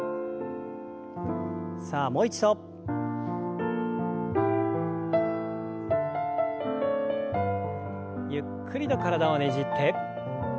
さあもう一度。ゆっくりと体をねじって。